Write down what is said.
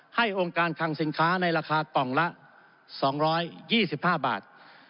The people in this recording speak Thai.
องค์การคังสินค้าในราคากล่องละ๒๒๕บาท